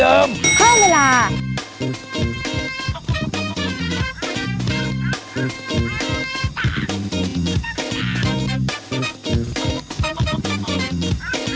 โปรดติดตามตอนต่อไป